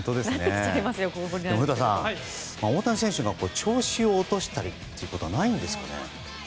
古田さん、大谷選手が調子を落とすことはないんですかね？